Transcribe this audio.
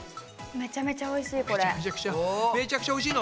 めちゃくちゃおいしいの？